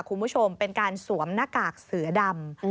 คุณผู้ชมเป็นการสวมหน้ากากเสือดำ